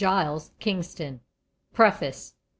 KINGSTON. PREFACE.